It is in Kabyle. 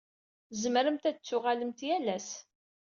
Tzemremt ad tuɣalemt yal ass.